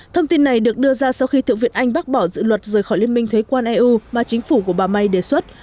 thông tin này được đưa ra sau khi thượng viện anh bác bỏ dự luật rời khỏi liên minh thuế quan eu mà chính phủ của bà may đề xuất